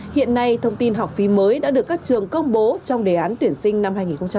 hiện nay thông tin học phí mới đã được các trường công bố trong đề án tuyển sinh năm hai nghìn hai mươi